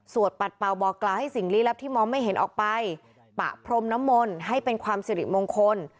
ปัดเป่าบอกกล่าวให้สิ่งลี้ลับที่มองไม่เห็นออกไปปะพรมน้ำมนต์ให้เป็นความสิริมงคล